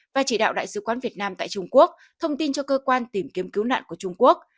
và chỉ đạo đại sứ quán việt nam tại trung quốc thông tin cho cơ quan tìm kiếm cứu nạn của trung quốc